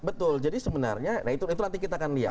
betul jadi sebenarnya itu nanti kita akan lihat